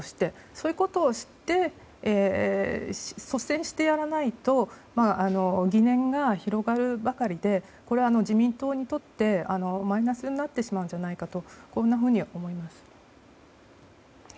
そういうことを率先してやらないと疑念が広がるばかりでこれは、自民党にとってマイナスになってしまうんじゃないかとこんな風に思います。